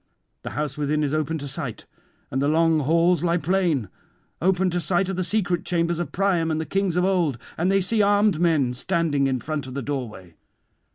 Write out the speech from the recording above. The house within is open to sight, and the long halls lie plain; open to sight are the secret chambers of Priam and the kings of old, and they see armed men standing in front of the doorway.